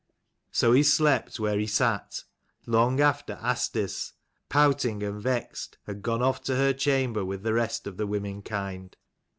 So he slept where he sat, long after Asdis, pouting and vexed, had gone off to her chamber with the rest of the women kind.